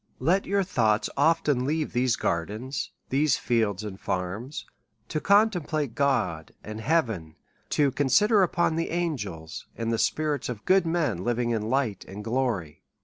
Let your thoughts often leave these gardens, these fields and farms, to contemplate upon God and hea ven, to consider upon angels, and the spirits of good men living in light and glory.